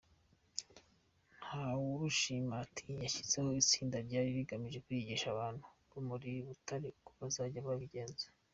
Ntawurushimana ati “Yashyizeho itsinda ryari rigamije kwigisha abantu bo muri Butare uko bazajya babigenza.